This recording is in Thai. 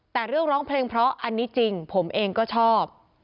แต่เรื่องร้องเพลงเพราะอันนี้จริงผมเองก็ชอบ